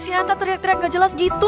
sianta teriak teriak gak jelas gitu